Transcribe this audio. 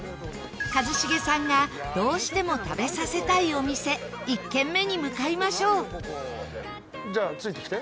一茂さんがどうしても食べさせたいお店１軒目に向かいましょう長嶋：じゃあ、ついてきて。